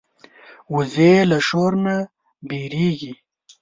وزې له شور نه وېرېږي